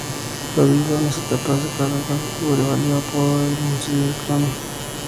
Su habilidad en las etapas contrarreloj le valió el apodo de "Monsieur Crono".